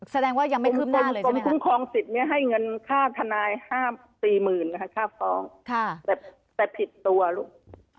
สร้างว่ายังไม่คืบหน้าเลยมีความสิทธิ์มีให้เงินค่าทันาย๕๔๐มีค่ะค่าฟ้าพล้อมแต่ผิดตัวลูก